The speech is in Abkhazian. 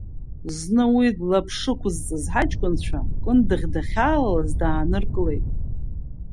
Зны уи длаԥшықәзҵаз ҳаҷкәынцәа, Кындыӷ дахьалалаз дааныркылеит.